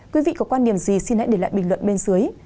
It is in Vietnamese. quý vị có quan điểm gì xin hãy để lại bình luận bên dưới